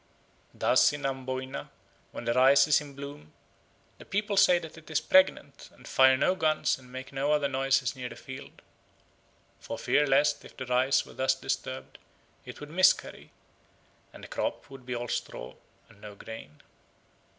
Thus in Amboyna, when the rice is in bloom, the people say that it is pregnant and fire no guns and make no other noises near the field, for fear lest, if the rice were thus disturbed, it would miscarry, and the crop would be all straw and no grain.